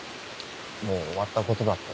「もう終わったことだ」って。